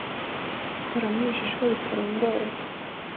Kuramo ibishishwa bitarondoreka